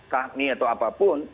kami atau apapun